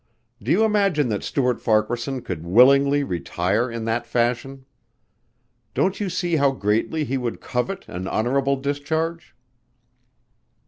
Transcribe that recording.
Do you imagine that Stuart Farquaharson could willingly retire in that fashion? Don't you see how greatly he would covet an honorable discharge?"